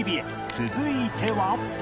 続いては